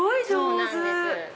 そうなんです。